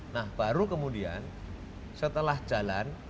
nah baru kemudian setelah jalan